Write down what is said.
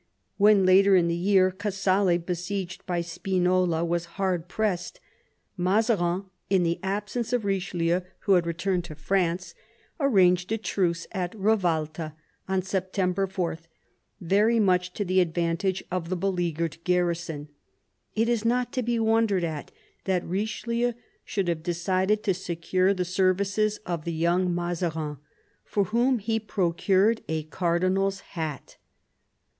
When, later in the year, Casale, besieged by Spinola, was hard pressed, Mazarin, in the absence of Richelieu, who bad returned to France, I THE EARLY YEARS OF MAZARINES MINISTRY 8 arranged a truce at Rivalta on September 4, very much to the advantage of the beleaguered garrison, it is not to be wondered at that Richelieu should have decided to secure the services of the young Mazarin, for whom he procured a cardinal's hat.